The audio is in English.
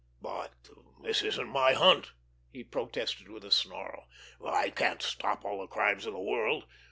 "But this isn't my hunt!" he protested, with a snarl. "I can't stop all the crimes in the world!